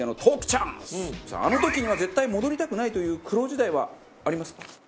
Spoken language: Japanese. あの時には絶対戻りたくないという苦労時代はありますか？